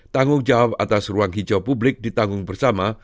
tanggung jawab atas ruang hijau publik ditanggung bersama